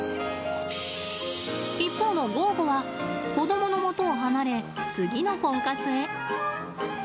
一方のゴーゴは、子どものもとを離れ、次のコンカツへ。